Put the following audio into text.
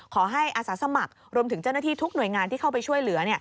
อาสาสมัครรวมถึงเจ้าหน้าที่ทุกหน่วยงานที่เข้าไปช่วยเหลือ